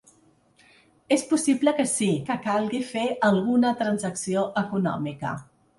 És possible que sí que calgui fer alguna transacció econòmica.